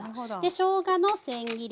しょうがのせん切り。